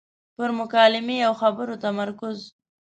پر مکالمې او خبرو تمرکز.